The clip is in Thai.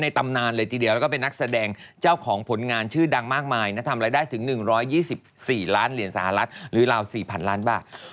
ตำนานเลยทีเดียวแล้วก็เป็นนักแสดงเจ้าของผลงานชื่อดังมากมายนะทำรายได้ถึง๑๒๔ล้านเหรียญสหรัฐหรือราว๔๐๐๐ล้านบาท